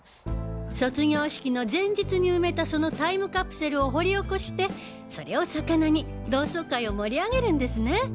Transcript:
卒業式の前日に埋めたそのタイムカプセルを掘り起こしてそれをサカナに同窓会を盛り上げるんですね！